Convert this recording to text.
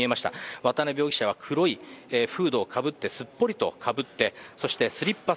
渡辺容疑者は黒いフードをすっぽりとかぶってスリッパ姿。